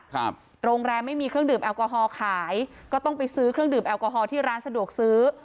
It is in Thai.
โรงแรมไม่มีเครื่องดื่มแอลกอฮอล์ขายก็ต้องไปซื้อเครื่องดื่มแอลกอฮอล์ที่ร้านสะดวกซื้อ